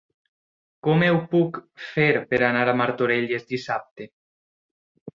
Com ho puc fer per anar a Martorelles dissabte?